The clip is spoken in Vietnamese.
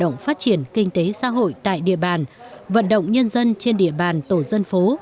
động phát triển kinh tế xã hội tại địa bàn vận động nhân dân trên địa bàn tổ dân phố